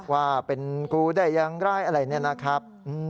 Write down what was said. ว่าเป็นกรูได้ยังได้อะไรนี่นะครับ